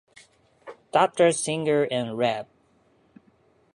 Dr Singer and Rev.